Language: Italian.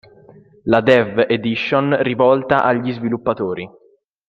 La Dev Edition, rivolta agli sviluppatori.